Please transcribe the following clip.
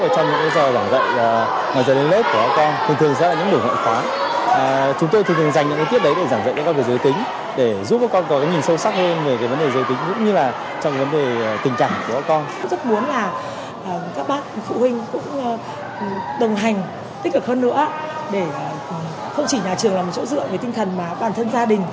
chúng tôi rất muốn các bác phụ huynh đồng hành tích cực hơn nữa để không chỉ nhà trường là một chỗ dựa về tinh thần mà bản thân gia đình cũng chỉ là chỗ dựa để con hiểu hơn